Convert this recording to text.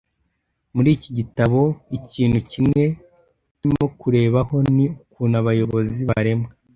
Muri iki gitabo ikintu kimwe turimo kurebaho ni ukuntu abayobozi baremwa